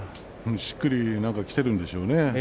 しっくりきているんでしょうね。